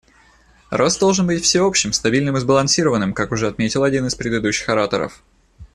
Рост должен быть всеобщим, стабильным и сбалансированным, как уже отметил один из предыдущих ораторов.